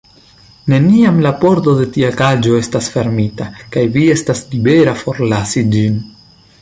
Neniam la pordo de tia kaĝo estas fermita, kaj vi estas libera forlasi ĝin.